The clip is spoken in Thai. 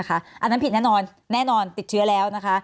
อันนั้นผิดแน่นอนแน่นอนติดเชื้อแล้วนะคะ